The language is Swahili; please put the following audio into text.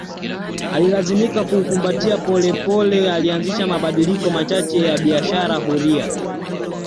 Alilazimika kuukumbatia pole pole alianzisha mabadiliko machache ya biashara huria